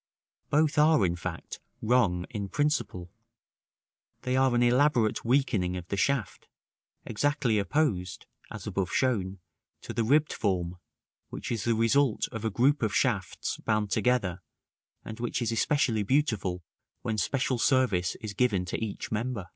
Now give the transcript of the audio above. Both are, in fact, wrong in principle; they are an elaborate weakening of the shaft, exactly opposed (as above shown) to the ribbed form, which is the result of a group of shafts bound together, and which is especially beautiful when special service is given to each member.